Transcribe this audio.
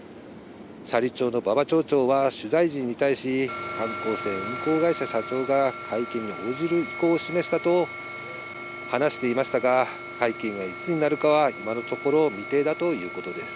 斜里町の馬場町長は、取材陣に対し、観光船運航会社社長が会見に応じる意向を示したと話していましたが、会見がいつになるかは、今のところ未定だということです。